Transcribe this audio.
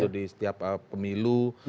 di setiap pemilu